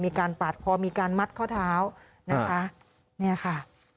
มีการปาดพอมีการมัดข้อเท้านี่แหละค่ะ